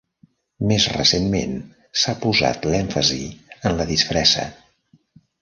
Més recentment s'ha posat l'èmfasi en la disfressa.